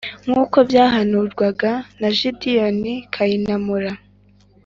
nkuko byahanurwaga na gedewoni kayinamura